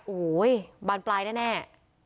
โอ้โหบานปลายแน่